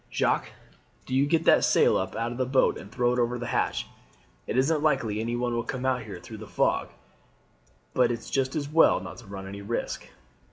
Jacques, do you get that sail up out of the boat and throw it over the hatch. It isn't likely anyone will come out here through the fog; but it's just as well not to run any risk."